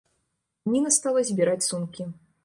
Ніна стала збіраць сумкі.